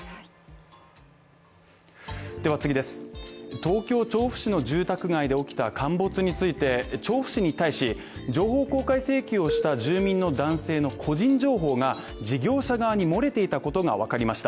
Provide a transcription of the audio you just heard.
東京調布市の住宅街で起きた陥没について調布市に対し、情報公開請求をした住民の男性の個人情報が、事業者側に漏れていたことがわかりました